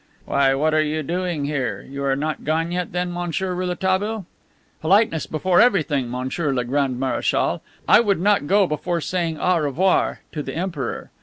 "Why, what are you doing here? You are not yet gone then, Monsieur Rouletabille?" "Politeness before everything, Monsieur le Grand Marechal! I would not go before saying 'Au revoir' to the Emperor.